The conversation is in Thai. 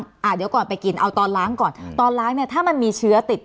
เดี๋ยวก่อนไปกินเอาตอนล้างก่อนตอนล้างเนี่ยถ้ามันมีเชื้อติด